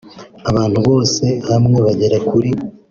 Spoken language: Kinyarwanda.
abantu bose hamwe bagera kuri